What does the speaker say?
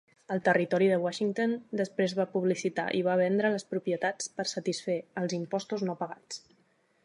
El territori de Washington després va publicitar i va vendre les propietats per satisfer els impostos no pagats.